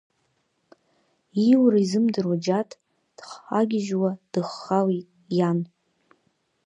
Ииура изымдыруа Џьаҭ, дхагьежьуа дыххалеит, иан!